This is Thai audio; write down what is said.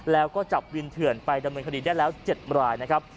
แล้วก็จับวินเถื่อนไปดำเนินคดีได้แล้ว๗รายนะครับ